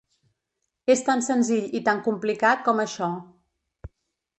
És tan senzill i tan complicat com això.